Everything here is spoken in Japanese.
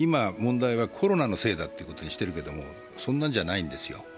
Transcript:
今、問題はコロナのせいだってことにしてるけど、そんなんじゃないんですよ。